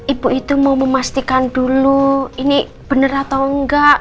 ibu itu mau memastikan dulu ini benar atau enggak